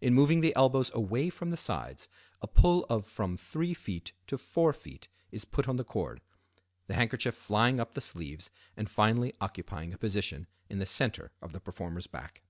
In moving the elbows away from the sides a pull of from 3ft. to 4ft. is put on the cord, the handkerchief flying up the sleeves and finally occupying a position in the center of the performer's back.